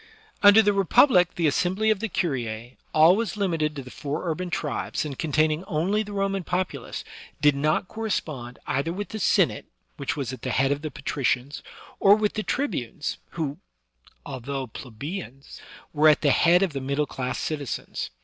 Under the Republic the assembly of the curia^ always limited to the four urban tribes, and containing only the Roman populace, did not correspond either with the Sen ate, which was at the head of the patricians, or with the tribunes, who, although plebeians, were at the head of the middle class citizens.